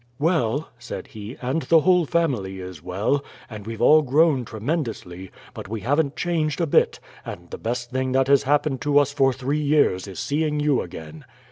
"Well," said he. "And the whole family is well, and we've all grown tremendously, but we haven't changed a bit, and the best thing that has happened to us for three years is seeing you again."